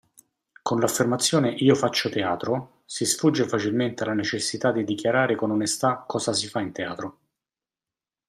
Con l'affermazione "Io faccio teatro!" si sfugge facilmente alla necessità di dichiarare con onestà cosa si fa in teatro.